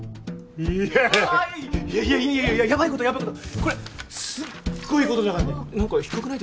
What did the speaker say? イエーイいやいやヤバイことヤバイことこれすっごいことだからね何か低くない？